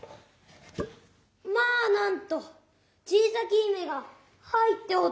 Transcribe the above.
「まあなんと小さき姫が入っておった！」。